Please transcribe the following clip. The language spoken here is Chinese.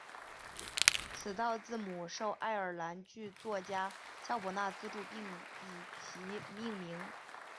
此套字母受爱尔兰剧作家萧伯纳资助并以其命名。